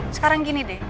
sekarang gini deh